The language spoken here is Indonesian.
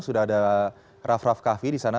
sudah ada rafraf kahvi di sana